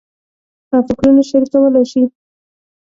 او فکرونه شریکولای شي.